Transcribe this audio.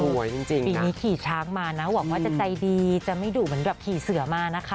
จริงปีนี้ขี่ช้างมานะหวังว่าจะใจดีจะไม่ดุเหมือนแบบขี่เสือมานะคะ